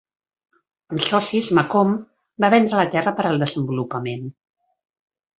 Amb socis, Macomb va vendre la terra per al desenvolupament.